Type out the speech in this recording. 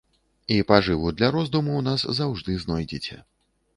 І пажыву для роздуму ў нас заўжды знойдзеце.